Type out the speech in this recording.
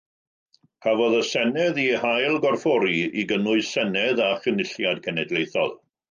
Cafodd y Senedd ei hailgorffori i gynnwys Senedd a Chynulliad Cenedlaethol.